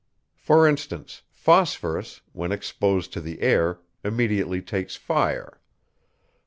For instance; phosphorus, when exposed to the air, immediately takes fire.